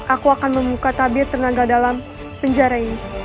aku akan membuka tabir tenaga dalam penjara ini